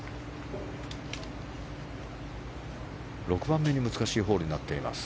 ６番目に難しいホールになっています。